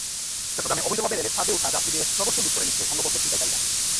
চট্টগ্রামে অবৈধভাবে রেলের ছাদে ওঠা যাত্রীদের সর্বস্ব লুট করে নিচ্ছে সংঘবদ্ধ ছিনতাইকারীরা।